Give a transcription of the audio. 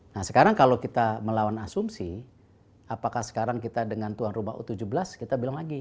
nah sekarang kalau kita melawan asumsi apakah sekarang kita dengan tuan rumah u tujuh belas kita bilang lagi